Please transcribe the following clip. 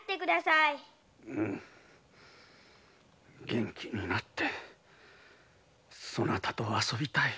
元気になってそなたと遊びたい。